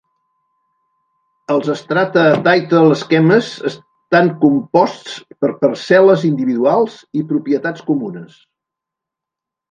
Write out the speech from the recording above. Els "Strata Title Schemes" estan composts per parcel·les individuals i propietats comunes.